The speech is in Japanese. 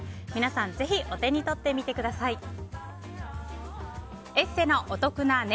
皆さん、ぜひお手に取ってみてください。